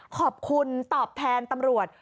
ขอบคุณตอบแทนตำรวจ